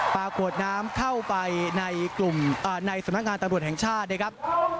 ปากวดน้ำเข้าไปในกลุ่มอ่าในสมัครงานตรวจแห่งชาตินะครับ